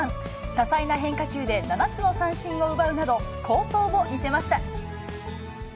多彩な変化球で７つの三振を奪うなど、好投を見せました。